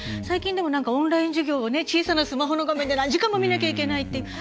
最近でもオンライン授業を小さなスマホの画面で何時間も見なきゃいけないって。